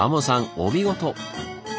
お見事！